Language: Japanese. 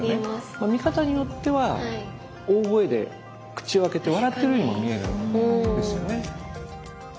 見方によっては大声で口を開けて笑ってるようにも見えるんですよね。